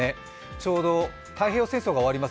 ちょうど太平洋戦争が終わります